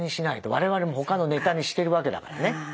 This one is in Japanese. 我々もほかのネタにしてるわけだからね。